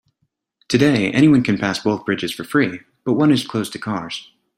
Today, anyone can pass both bridges for free, but one is closed to cars.